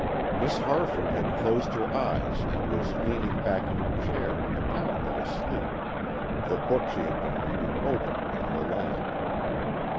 Miss Harford had closed her eyes and was leaning back in her chair, apparently asleep, the book she had been reading open in her lap.